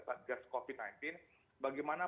satgas covid sembilan belas bagaimana